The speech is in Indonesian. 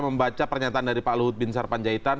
membaca pernyataan dari pak luhut bin sarpanjaitan